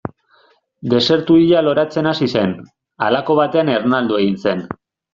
Desertu hila loratzen hasi zen, halako batean ernaldu egin zen.